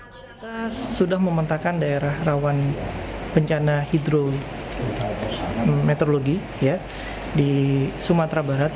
pemerintah sudah mementakan daerah rawan bencana hidrometeorologi di sumatera barat